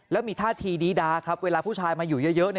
แล้วมีท่าทีดีดาครับเวลาผู้ชายมาอยู่เยอะ